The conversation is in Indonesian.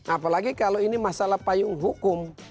apalagi kalau ini masalah payung hukum